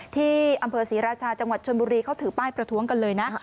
ที่อำเภอศรีราชาจังหวัดชนบุรีเขาถือป้ายประท้วงกันเลยนะ